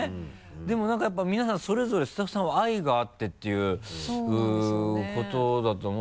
でもなんかやっぱ皆さんそれぞれスタッフさんは愛があってっていうことだと思うんですけど。